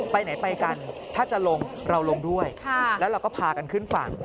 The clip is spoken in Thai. ไปไหนไปกันถ้าจะลงเราลงด้วยแล้วเราก็พากันขึ้นฝั่ง